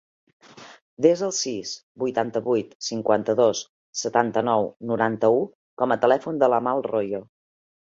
Desa el sis, vuitanta-vuit, cinquanta-dos, setanta-nou, noranta-u com a telèfon de l'Amal Royo.